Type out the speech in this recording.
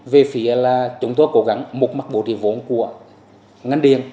về phía chúng tôi cố gắng một mặt bổ trí vốn của ngân điện